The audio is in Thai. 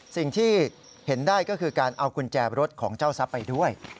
สิ่งที่เห็นได้ก็คือการเอากุญแจรถของเจ้าทรัพย์ไปด้วย